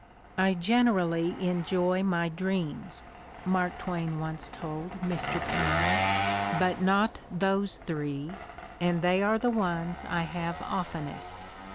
"I generally enjoy my dreams," Mark Twain Mustered Out 265 once told Mr. Paine, "but not those three, and they are the ones I have oftenest."